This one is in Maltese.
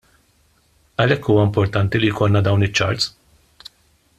Għalhekk huwa importanti li jkollna dawn iċ-charts.